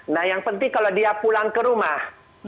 nah yang penting kalau dia pulang ke rumah